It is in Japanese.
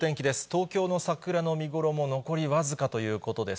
東京の桜の見頃も残り僅かということです。